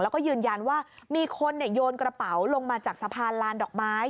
แล้วก็ยืนยันว่ามีคนโยนกระเป๋าลงมาจากสะพานลานดอกไม้